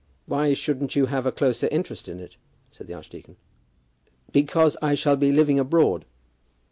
"Why shouldn't you have a closer interest in it?" said the archdeacon. "Because I shall be living abroad."